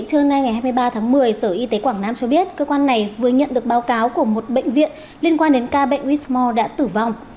trưa nay ngày hai mươi ba tháng một mươi sở y tế quảng nam cho biết cơ quan này vừa nhận được báo cáo của một bệnh viện liên quan đến ca bệnh wismore đã tử vong